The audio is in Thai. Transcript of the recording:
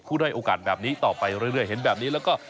ได้โอกาสแบบนี้ต่อไปเรื่อยเห็นแบบนี้แล้วก็